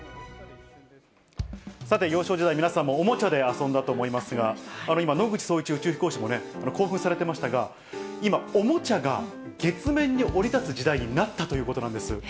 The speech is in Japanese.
さて、幼少時代、皆さんもおもちゃで遊んだと思いますが、今、野口聡一宇宙飛行士も興奮されてましたが、今、おもちゃが月面に降り立つ時代になったということなんです。